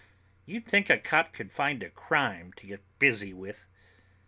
You'd think a cop could find a crime to get busy with.